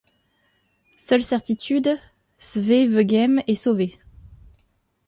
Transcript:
Seule certitude, Zwevegem est sauvé.